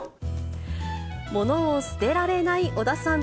物を捨てられない小田さん。